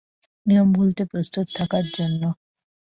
নিয়ম ভুলতে প্রস্তুত থাকার জন্য।